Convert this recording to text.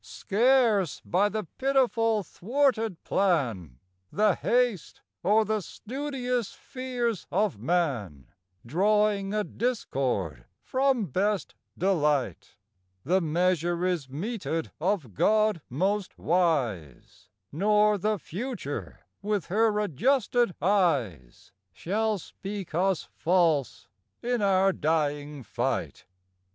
Scarce by the pitiful thwarted plan, The haste, or the studious fears of man Drawing a discord from best delight, The measure is meted of God most wise; Nor the future, with her adjusted eyes, Shall speak us false in our dying fight.